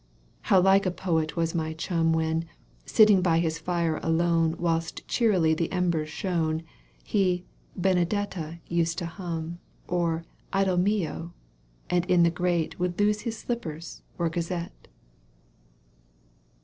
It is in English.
How like a poet was my chum When, sitting by his fire alone Whilst cheerily the embers shone. He " Benedetta " used to hum, Or " Idol mio," and in the grate Would lose his slippers or gazette.